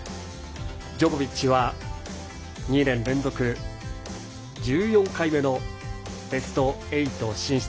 ジョコビッチは２年連続１４回目のベスト８進出。